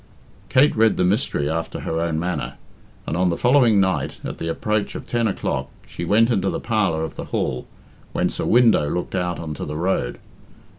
Kate read the mystery after her own manner, and on the following night, at the approach of ten o'clock, she went into the parlour of the hall, whence a window looked out on to the road.